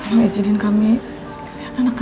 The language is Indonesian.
ada hal yang ibadah